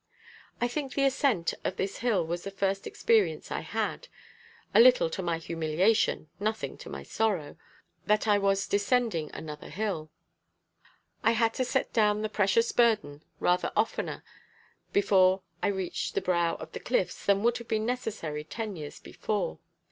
I think the ascent of this hill was the first experience I had a little to my humiliation, nothing to my sorrow that I was descending another hill. I had to set down the precious burden rather oftener before we reached the brow of the cliffs than would have been necessary ten years before.